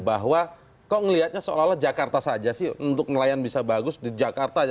bahwa kok ngelihatnya seolah olah jakarta saja sih untuk nelayan bisa bagus di jakarta aja